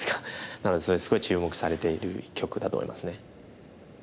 なのでそれすごい注目されている一局だと思いますね。